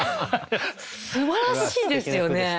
すばらしいですよね。